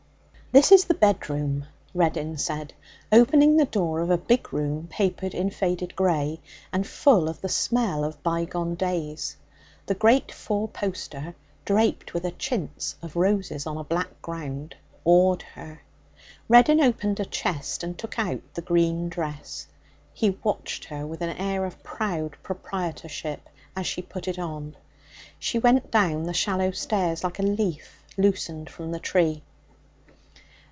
'This is the bedroom,' Reddin said, opening the door of a big room papered in faded grey, and full of the smell of bygone days. The great four poster, draped with a chintz of roses on a black ground, awed her. Reddin opened a chest and took out the green dress. He watched her with an air of proud proprietorship as she put it on. She went down the shallow stairs like a leaf loosened from the tree.